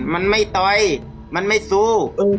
มันไม่ต่อยมันไม่สู้